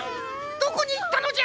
どこにいったのじゃ？